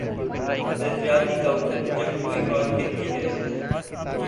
نظریاتی کونسل جب کوئی بات کہتی ہے۔